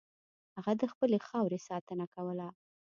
هغه د خپلې خاورې ساتنه کوله.